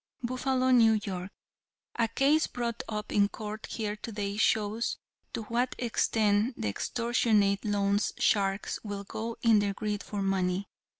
"Buffalo, N. Y.: A case brought up in court here today shows to what extent the extortionate loan sharks will go in their greed for money.